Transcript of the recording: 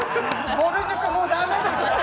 ぼる塾もう駄目です。